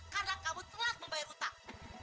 karena kamu telah membayar hutang